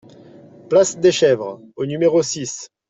Place des Chèvres au numéro six